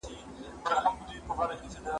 هندو ژړل پياز ئې خوړل.